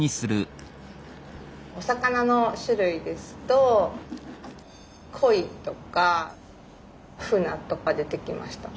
お魚の種類ですとコイとかフナとか出てきました。